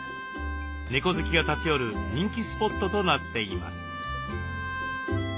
猫好きが立ち寄る人気スポットとなっています。